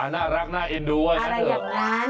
น่ารักน่าเอ็นดูอะไรอย่างนั้น